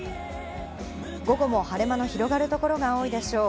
午後も晴れ間の広がる所が多いでしょう。